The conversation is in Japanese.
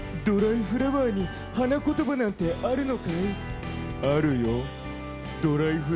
「ドライフラワーに花言葉なんてあるのかい？」